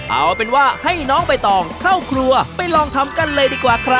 เอาเป็นว่าให้น้องใบตองเข้าครัวไปลองทำกันเลยดีกว่าครับ